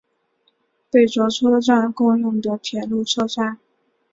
贝冢车站共用的铁路车站。